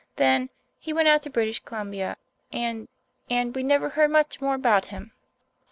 Then he went out to British Columbia and and we never heard much more about him."